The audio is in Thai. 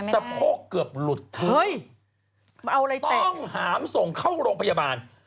สะโพกเกือบหลุดเฮ้ยต้องหามส่งเข้าโรงพยาบาล